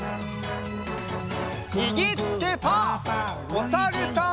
おさるさん。